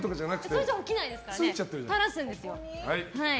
それじゃ起きないですから垂らすんですよ。